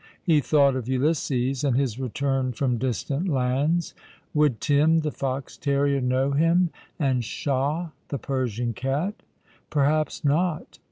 He thought of Ulysses, and his return from distant lands. Would Tim, the fox terrier, know him? and Shah, the Persian cat? Perhaps not.